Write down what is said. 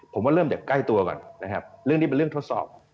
ผมว่าเริ่มจากใกล้ตัวก่อนนะครับเรื่องนี้เป็นเรื่องทดสอบ